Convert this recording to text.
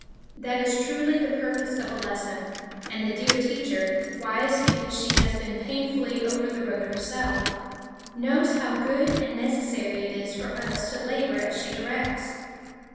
That is truly the purpose of a lesson. And the dear teacher, wise because she has been painfully over the road herself, knows how good and necessary it is for us to labor as she directs.